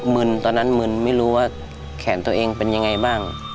ึนตอนนั้นมึนไม่รู้ว่าแขนตัวเองเป็นยังไงบ้าง